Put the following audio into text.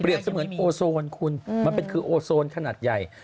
เปรียบเสมือนโอโซลคุณมันคือโอโซลขนาดใหญ่